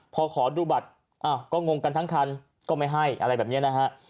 พอขอดูบัตรอ้าวก็งงกันทั้งคันก็ไม่ให้อะไรแบบนี้นะฮะ